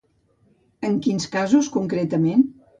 En quins casos, concretament?